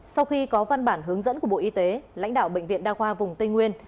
sau khi có văn bản hướng dẫn của bộ y tế lãnh đạo bệnh viện đa khoa vùng tây nguyên